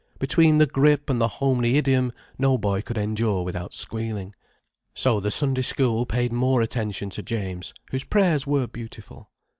Between the grip and the homely idiom no boy could endure without squealing. So the Sunday School paid more attention to James, whose prayers were beautiful.